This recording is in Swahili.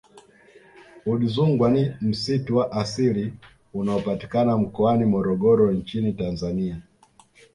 Udzungwa ni msitu wa asili unaopatikana mkoani Morogoro nchini Tanzania